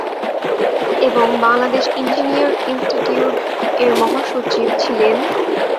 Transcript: এবং Bangladesh engineer institute এর মহাসচিব ছিলেন।